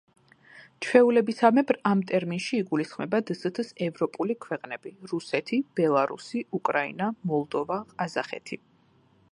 ჩვეულებისამებრ, ამ ტერმინში იგულისხმება დსთ-ს ევროპული ქვეყნები: რუსეთი, ბელარუსი, უკრაინა, მოლდოვა, ყაზახეთი.